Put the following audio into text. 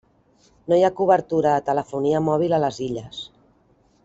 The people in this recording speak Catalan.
No hi ha cobertura de telefonia mòbil a les illes.